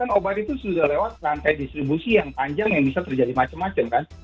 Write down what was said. kan obat itu sudah lewat rantai distribusi yang panjang yang bisa terjadi macam macam kan